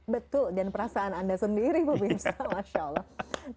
betul dan perasaan anda sendiri mbak bimsa masya allah